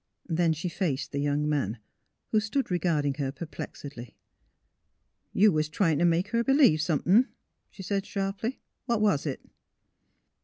Then she faced the young man, who stood regarding her perplexedly. " You was try in' t' make her b'lieve some thin V' she said, sharply. " What was it?